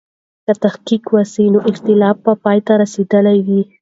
که تحقیق و سوای، نو اختلاف به پای ته رسېدلی وای.